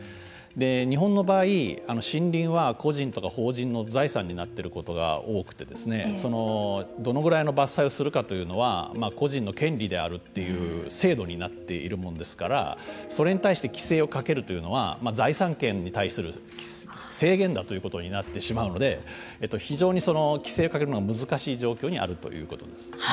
日本の場合、森林は個人とか法人の財産になっていることが多くてどのぐらいの伐採をするかというのは個人の権利であるという制度になっているものですからそれに対して規制をかけるというのは財産権に対する制限だということになってしまうので非常に規制をかけるのは難しい状況にあるということです。